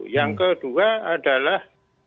yang kedua adalah